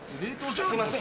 すいません。